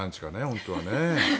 本当はね。